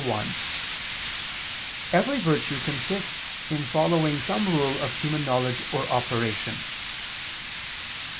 1), every virtue consists in following some rule of human knowledge or operation.